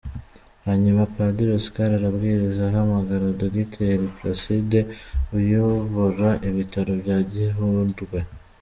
Hanyuma Padiri Oscar aribwiriza ahamagara Dogiteri Placide uyobora ibitaro bya Gihundwe.